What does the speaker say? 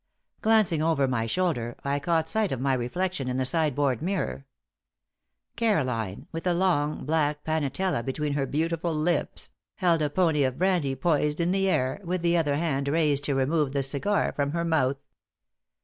Glancing over my shoulder, I caught sight of my reflection in the sideboard mirror. Caroline, with a long, black panatella between her beautiful lips, held a pony of brandy poised in the air, with the other hand raised to remove the cigar from her mouth.